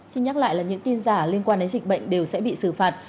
xin nhắc lại là những tin giả liên quan đến dịch bệnh đều sẽ bị xử phạt